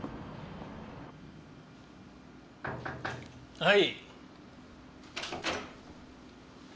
はい。